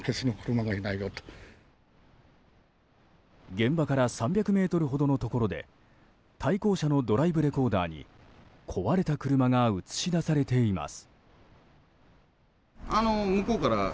現場から３００ｍほどのところで対向車のドライブレコーダーに壊れた車が映し出されています。